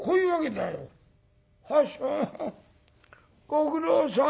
ご苦労さん。